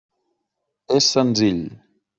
És senzill.